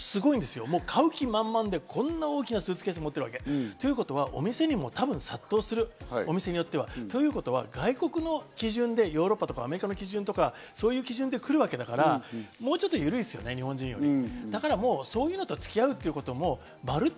すごいんですよ、買う気満々で、こんな大きなスーツケース持ってるわけ。ということはお店にも多分殺到する、お店によっては。ということは外国の基準でヨーロッパやアメリカの基準で来るわけだから、もうちょっとゆるいですよね、日本人よりも。